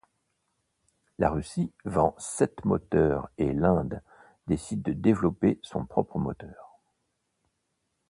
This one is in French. La Russie vend sept moteurs et l'Inde décide de développer son propre moteur.